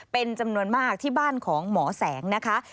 เป็นจำนวนมากที่บ้านของหมอแสงนะคะ